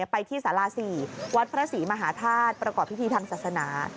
ไปที่สารา๔วัดพระศรีมหาธาตุประกอบพิธีทางศาสนา